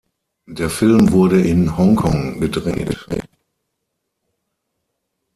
Der Film wurde in Hongkong gedreht.